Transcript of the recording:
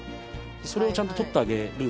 それをちゃんと取ってあげるんですよ